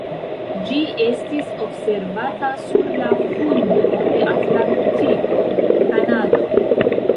Ĝi estis observata sur la fundo de Atlantiko (Kanado).